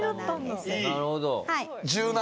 なるほど。